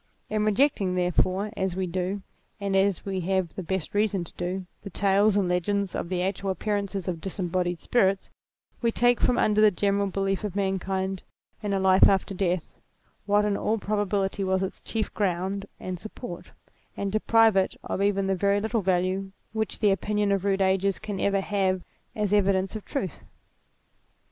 In rejecting, therefore, as we do, and as we have the best reason to do, the tales and legends of the actual appearance of disembodied spirits, we take from under the general belief of mankind in a life after death, what in all IMMORTALITY 207 probability was its chief ground and support, and deprive it of even the very little value which the opinion of rude ages can ever have as evidence of truth.